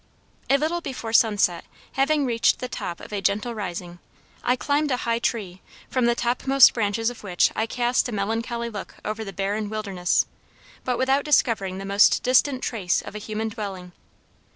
"A little before sunset, having reached the top of a gentle rising, I climbed a high tree, from the topmost branches of which I cast a melancholy look over the barren wilderness, but without discovering the most distant trace of a human dwelling.